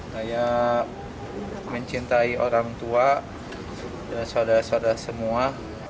saya mencintai orang tua dan sodara sodara semua